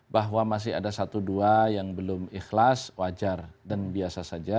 bahwa masih ada satu dua yang belum ikhlas wajar dan biasa saja